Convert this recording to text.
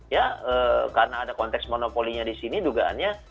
ya karena ada konteks monopoli nya disini dugaannya